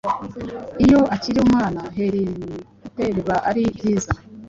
iyo akiri umwana, Henriette biba ari byiza